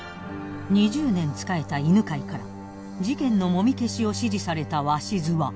［２０年仕えた犬飼から事件のもみ消しを指示された鷲津は。］